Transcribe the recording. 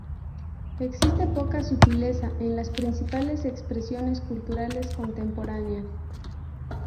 Existe poca sutileza en las principales expresiones culturales contemporáneas.